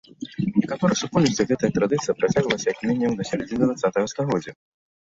У некаторых супольнасцях гэтая традыцыя працягвалася як мінімум да сярэдзіны дваццатага стагоддзя.